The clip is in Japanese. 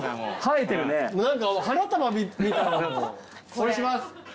これにします。